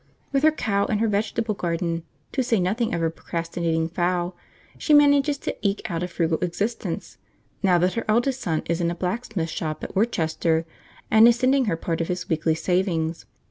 With her cow and her vegetable garden, to say nothing of her procrastinating fowl, she manages to eke out a frugal existence, now that her eldest son is in a blacksmith's shop at Worcester, and is sending her part of his weekly savings.